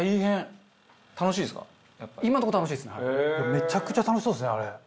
めちゃくちゃ楽しそうですねあれ。